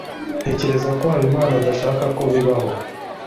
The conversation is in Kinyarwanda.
Ntekereza ko Habimana adashaka ko bibaho.